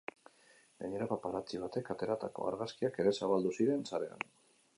Gainera, paparazzi batek ateratako argazkiak ere zabaldu ziren sarean.